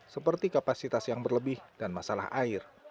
seperti kapasitas yang berlebih dan masalah air